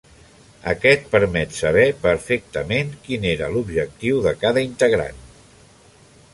Aquest permet saber perfectament quin era l'objectiu de cada integrant.